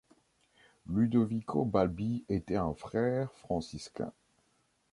Ludovico Balbi était un frère franciscain.